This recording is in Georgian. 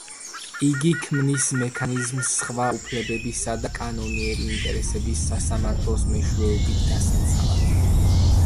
იგი ქმნის მექანიზმს სხვა უფლებებისა და კანონიერი ინტერესების სასამართლოს მეშვეობით დასაცავად.